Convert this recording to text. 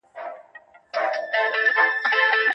د دولتونو ترمنځ دوستانه فضا د پرمختګ لپاره مهمه ده.